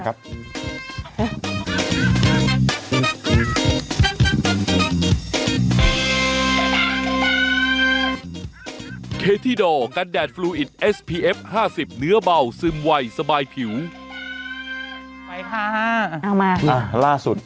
อ่ะล่าสุด